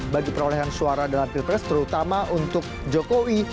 bagi perolehan suara dalam pilpres terutama untuk jokowi